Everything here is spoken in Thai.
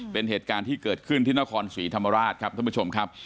เป็นเหตุการณ์ที่เกิดขึ้นที่นครศรีธรรมราชครับท่านผู้ชมครับ